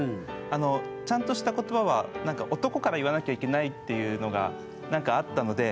あのちゃんとした言葉は男から言わなきゃいけないっていうのがあったので。